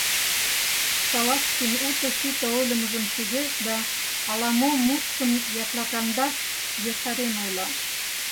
Салазкин уто-сите ойлымыжым шижеш да ала-мо, мутшым яклакаҥдаш ешарен ойла: